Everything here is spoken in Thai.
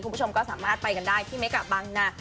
คุณผู้ชมก็สามารถไปกันได้ที่เมกะบางนา